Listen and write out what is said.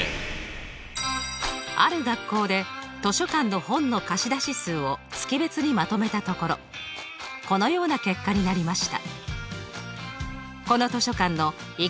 ある学校で図書館の本の貸出数を月別にまとめたところこのような結果になりました。